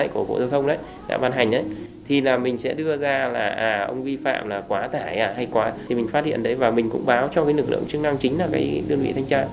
của bộ giao thông đấy đã ban hành thì là mình sẽ đưa ra là ông vi phạm là quá tải hay quá thì mình phát hiện đấy và mình cũng báo cho cái lực lượng chức năng chính là cái đơn vị thanh tra